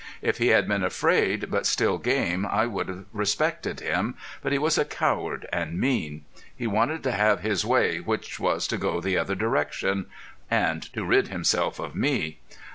If he had been afraid but still game I would have respected him, but he was a coward and mean. He wanted to have his way, which was to go the other direction, and to rid himself of me.